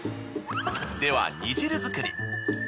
では煮汁作り。